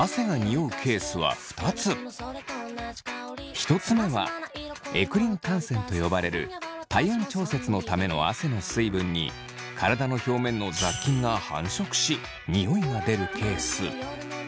一つ目はエクリン汗腺と呼ばれる体温調節のための汗の水分に体の表面の雑菌が繁殖しニオイが出るケース。